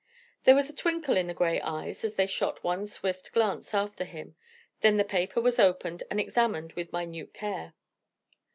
There was a twinkle in the grey eyes as they shot one swift glance after him; then the paper was opened and examined with minute care.